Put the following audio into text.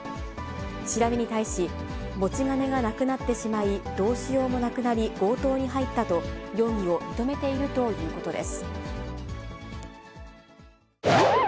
調べに対し、持ち金がなくなってしまい、どうしようもなくなり強盗に入ったと、容疑を認めているということです。